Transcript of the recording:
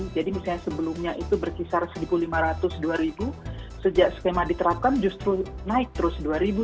jadi misalnya sebelumnya itu berkisar satu lima ratus dua sejak skema diterapkan justru naik terus dua tiga empat